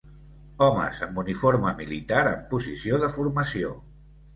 Homes amb uniforme militar en posició de formació.